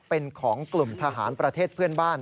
เป็นของกลุ่มทหารประเทศเพื่อนบ้าน